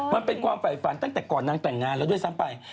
มันเป็นความฝ่ายฝันตั้งแต่ก่อนนางแต่งงานแล้วด้วยซ้ำไป